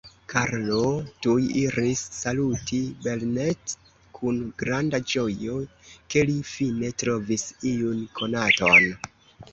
Karlo tuj iris saluti Belnett kun granda ĝojo, ke li fine trovis iun konaton.